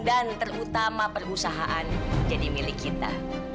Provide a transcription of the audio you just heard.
dan terutama perusahaan jadi milik kita